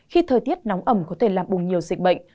khi thời tiết nóng ẩm có thể làm bùng nhiều dịch bệnh